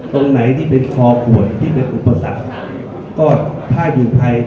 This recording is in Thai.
และเป็นอย่างแบบรอบที่ความกลางสามารถทำให้เต็มที่